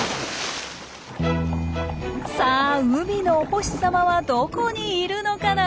さあ海のお星様はどこにいるのかな？